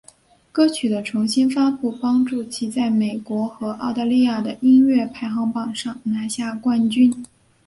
歌曲的重新发布帮助其在美国和澳大利亚的音乐排行榜上拿下冠军。